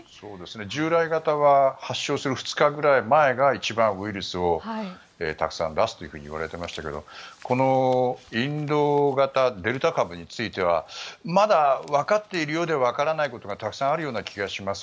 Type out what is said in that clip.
従来型は発症する２日ぐらい前が一番ウイルスをたくさん出すと言われていましたけどこのインド型デルタ株についてはまだ分かっているようで分からないことがたくさんあるような気がします。